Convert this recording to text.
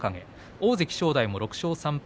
大関正代も６勝３敗。